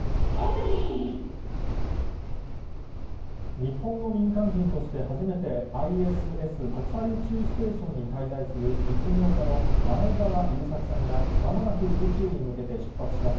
日本の民間人として初めてＩＳＳ・国際宇宙ステーションに滞在する実業家の前澤友作さんが、まもなく宇宙に向けて出発します。